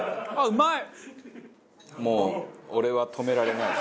もう俺は止められないぜ。